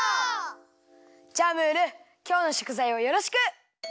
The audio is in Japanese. じゃあムールきょうのしょくざいをよろしく！